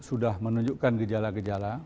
sudah menunjukkan gejala gejala